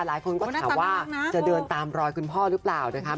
หลายคนก็ถามว่าจะเดินตามรอยคุณพ่อหรือเปล่านะคะ